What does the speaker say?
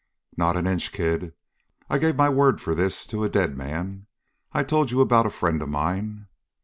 "Not an inch. Kid, I gave my word for this to a dead man. I told you about a friend of mine?"